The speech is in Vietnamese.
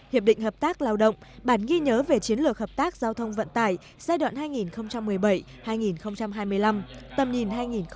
hiệp định hợp tác lao động bản ghi nhớ về chiến lược hợp tác giao thông vận tải giai đoạn hai nghìn một mươi bảy hai nghìn hai mươi năm tầm nhìn hai nghìn hai mươi năm